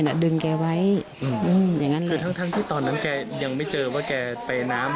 น่ะดึงแกไว้อย่างนั้นแหละทั้งที่ตอนนั้นแกยังไม่เจอว่าแกเปรย์น้ำ